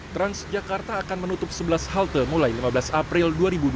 transjakarta akan menutup sebelas halte mulai lima belas april dua ribu dua puluh